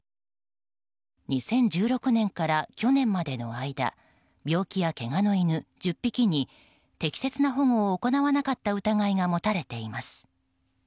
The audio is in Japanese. ２０１６年から去年までの間病気やけがの犬１０匹に適切な保護を行わなかった疑いが持たれています。